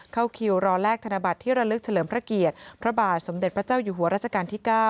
เข้าคิวรอแลกธนบัตรที่ระลึกเฉลิมพระเกียรติพระบาทสมเด็จพระเจ้าอยู่หัวราชการที่๙